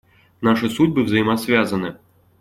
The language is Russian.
Наши судьбы взаимосвязаны.